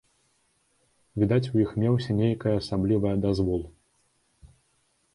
Відаць, у іх меўся нейкае асаблівае дазвол.